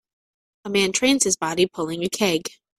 A man trains his body pulling a keg.